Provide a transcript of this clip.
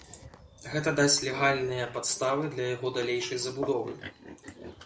Гэта дасць легальныя падставы для яго далейшай забудовы.